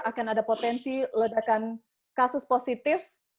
akan ada potensi ledakan kasus positif